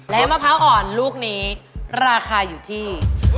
และมะพร้าวอ่อนลูกนี้ราคาอยู่ที่